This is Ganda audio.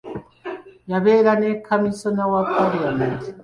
Yabeera kaminsona wa Palamenti.